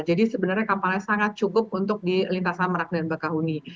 jadi sebenarnya kapalnya sangat cukup untuk di lintasan merak dan bakahuni